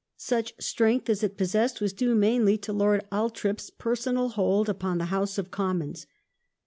Such strength as it possessed was due mainly to Lord Al thorp's pei'sonal hold upon the House of Commons.